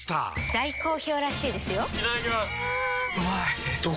大好評らしいですよんうまい！